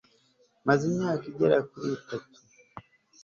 maze imyaka igera kuri itatu